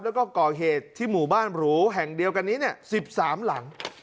แล้วก็ก่อเหตุที่หมู่บ้านหรูแห่งเดียวกันนี้๑๓หลัง